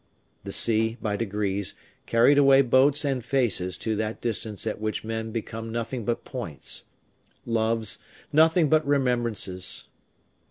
The sea, by degrees, carried away boats and faces to that distance at which men become nothing but points, loves, nothing but remembrances.